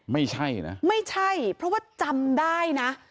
ไม่ใช่นะไม่ใช่เพราะว่าจำได้นะ